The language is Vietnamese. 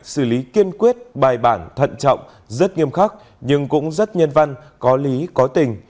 xử lý kiên quyết bài bản thận trọng rất nghiêm khắc nhưng cũng rất nhân văn có lý có tình